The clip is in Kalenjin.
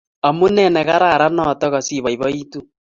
Amune nekararan notok asiboiboitu.